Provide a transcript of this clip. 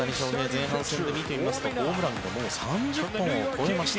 前半戦で見てみますとホームランがもう３０本を超えました。